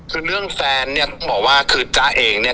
คือเรื่องแฟนเนี่ยต้องบอกว่าคือจ๊ะเองเนี่ย